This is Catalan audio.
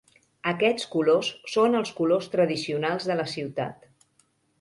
Aquests colors són els colors tradicionals de la ciutat.